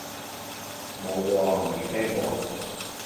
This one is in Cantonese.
冇喎，未聽過